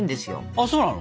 あっそうなの？